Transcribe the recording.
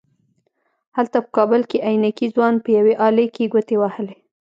هلته په کابل کې عينکي ځوان په يوې آلې کې ګوتې وهلې.